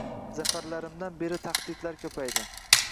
Zafarlarimdan beri taxdidlar ko‘paydi.